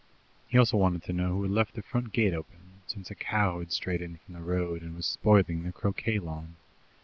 He also wanted to know who had left the front gate open, since a cow had strayed in from the road, and was spoiling the croquet lawn.